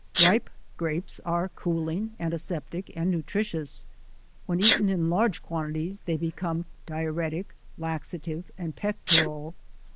Ripe Grapes are cooling, antiseptic, and nutri tious : when eaten in large quantities, they become diu retic, laxative, and pectoral.